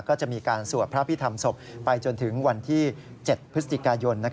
ก็จะมีการสวดพระพิธรรมศพไปจนถึงวันที่๗พฤศจิกายน